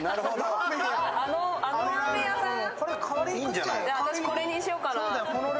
じゃあ、私これにしようかな。